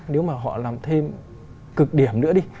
nếu mà họ làm thêm cực điểm nữa đi